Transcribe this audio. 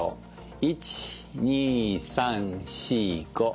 １２３４５。